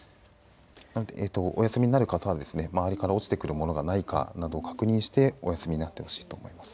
なので、お休みになる方はですね周りから落ちてくるものがないかなど確認してお休みになってほしいと思います。